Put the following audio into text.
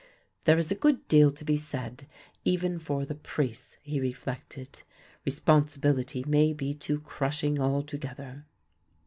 There is a good deal to be said even for the priests, he reflected; responsibility may be too crushing altogether.